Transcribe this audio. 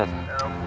ada bikin salah ya